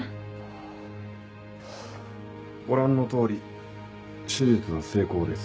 ご覧の通り手術は成功です。